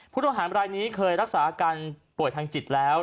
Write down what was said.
ผู้ต้องหามรายนี้เคยรักษาอาการป่วยทางจิตแล้ว